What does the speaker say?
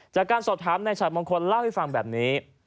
จากการสอบถามนายฉัดมงคลเล่าให้ฟังแบบนี้